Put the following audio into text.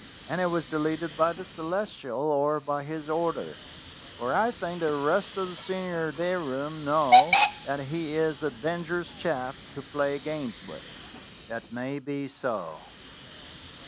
"And it was deleted by the Celestial, or by his order, for I think the rest of the senior day room know that he is a dangerous chap to play games with." "That may be so."